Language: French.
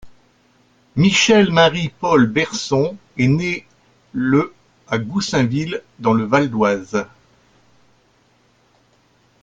Michel Marie Paul Berson est né le à Goussainville dans le Val-d'Oise.